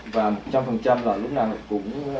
và một trăm linh là lúc nào cũng